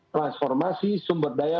transformasi sumber daya